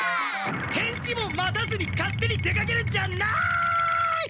返事も待たずに勝手に出かけるんじゃない！